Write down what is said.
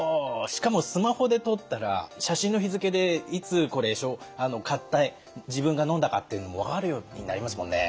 しかもスマホで撮ったら写真の日付でいつこれ買った自分がのんだかっていうのも分かるようになりますもんね。